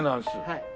はい。